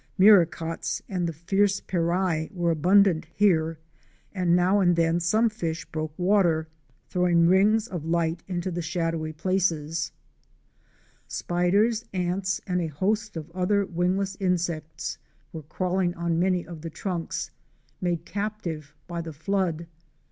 Muricots and the fierce perai were abundant here, and now and then some fish broke water, throwing rings of light into the shadowy places. A GOLD MINE IN THE WILDERNESS. 199 Spiders, ants and a host of other wingless insects were crawling on many of the trunks, made captive by the flood.